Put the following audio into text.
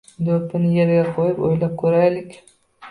Doʻppini yerga qoʻyib oʻylab koʻraylik.